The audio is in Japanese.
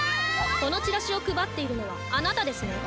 このチラシを配っているのはあなたですね。